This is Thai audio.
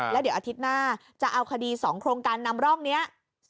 แล้วเดี๋ยวอาทิตย์หน้าจะเอาคดี๒โครงการนำร่องนี้